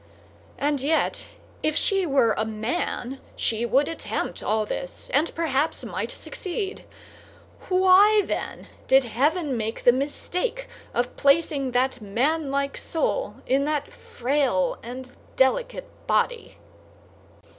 And yet, if she were a man she would attempt all this, and perhaps might succeed; why, then, did heaven make the mistake of placing that manlike soul in that frail and delicate body?